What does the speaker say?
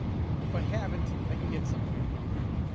"If I haven't I can get some here."